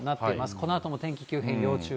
このあとも天気急変要注意。